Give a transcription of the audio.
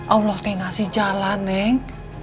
allah kayak ngasih jalan neng